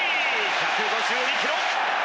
１５２キロ。